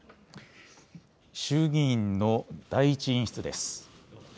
衆議院の第１委員室です。